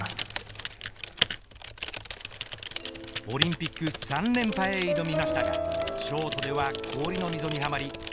オリンピック３連覇へ挑みましたがショートでは氷の溝にはまり